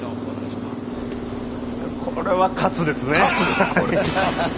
これは喝ですね。